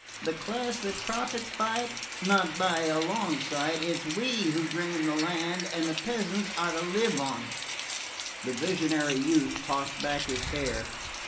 The class that profits by it? Not by a long way. It's we who drain the land, and the peasants are to live on it." The visionary youth tossed back his hair.